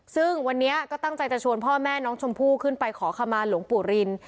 ซึ่งวันนี้ก็ตั้งใจจะชวนพ่อแม่น้องชมพู่ขึ้นไปขอขมาหลวงปู่ริน